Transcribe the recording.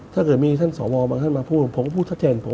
ถ้าเกิดมีท่านสวบางท่านมาพูดผมก็พูดชัดเจนผม